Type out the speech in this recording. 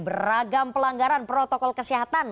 beragam pelanggaran protokol kesehatan